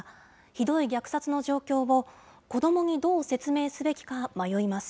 ひどい虐殺の状況を子どもにどう説明すべきか迷います。